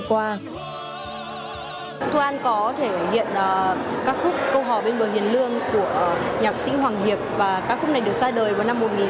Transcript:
thu an có thể hiện các khúc câu hò bên bờ hiển luyện